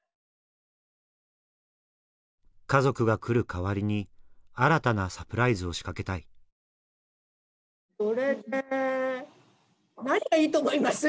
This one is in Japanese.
家族が来る代わりに新たなサプライズを仕掛けたいそれで何がいいと思います？